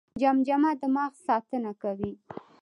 جمجمه د مغز ساتنه کوي